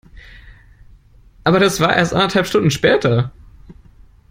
Aber das war erst anderthalb Stunden später.